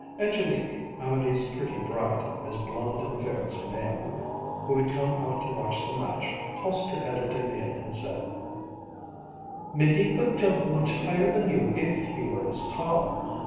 Angélique, Amédée's pretty bride, as blonde and fair as her name, who had come out to watch the match, tossed her head at Emil and said:— "'Médée could jump much higher than you if he were as tall.